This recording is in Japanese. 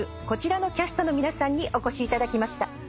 こちらのキャストの皆さんにお越しいただきました。